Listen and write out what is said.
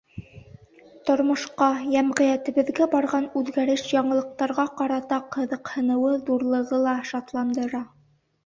Тормошҡа, йәмғиәтебеҙҙә барған үҙгәреш-яңылыҡтарға ҡарата ҡыҙыҡһыныуы ҙурлығы ла шатландыра.